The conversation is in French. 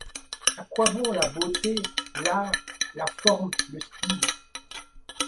A quoi bon la beauté, l'art, la forme, le style ?